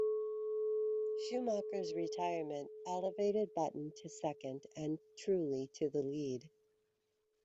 Schumacher's retirement elevated Button to second, and Trulli to the lead.